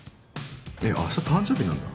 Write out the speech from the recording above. えっ明日誕生日なんだ？